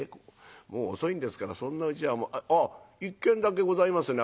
もう遅いんですからそんなうちはもうああ一軒だけございますね